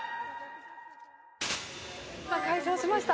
今、開場しました。